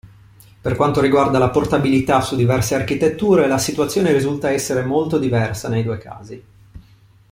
Per quanto riguarda la portabilità su diverse architetture la situazione risulta essere molto diversa nei due casi.